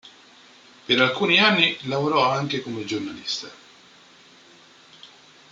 Per alcuni anni lavorò anche come giornalista.